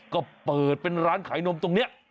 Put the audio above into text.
ก็เปิดเป็นร้านขายนมตรงนี้